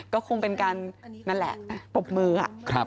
ก็คงเป็นการนั่นแหละปรบมือ